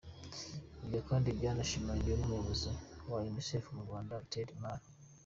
Ibyo kandi byanashimangiwe n’umuyobozi wa Unicef mu Rwanda Ted Maly.